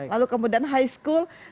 lalu kemudian high school